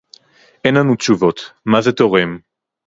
אין לנו תשובות - מה זה תורם